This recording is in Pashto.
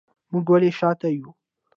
موږ ولې شاته یو